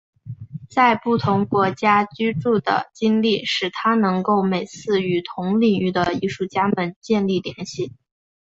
在不同国家居住的经历使他能够每次与同领域的艺术家们建立联系。